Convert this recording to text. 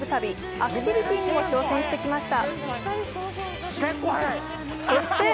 アクティビティーに挑戦してきました。